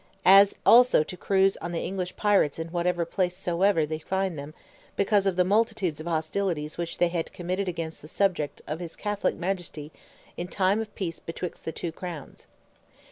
"As also to cruise on the English pirates in what place soever they could find them, because of the multitudes of hostilities which they had committed against the subjects of his Catholic Majesty in time of peace betwixt the two crowns."